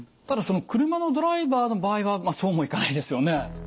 ただ車のドライバーの場合はそうもいかないですよね。